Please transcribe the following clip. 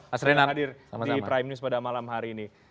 mas renan hadir di prime news pada malam hari ini